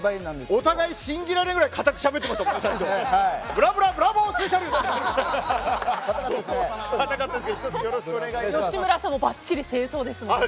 お互い信じられないくらい固くしゃべってましたもんね。